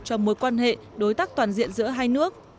cho mối quan hệ đối tác toàn diện giữa hai nước